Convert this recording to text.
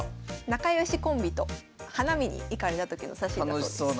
仲良しコンビと花見に行かれた時の写真だそうです。